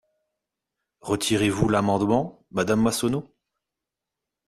Retirez-vous l’amendement, madame Massonneau?